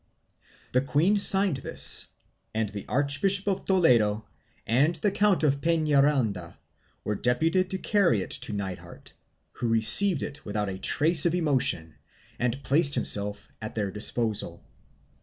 The queen signed this and the Archbishop of Toledo and the Count of Penaranda were deputed to carry it to Nithard, who received it without a trace of emotion and placed himself at their disposal.